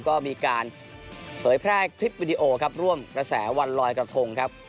ก็มีการเผยแพร่คลิปวิดีโอครับร่วมกระแสวันลอยกระทงครับ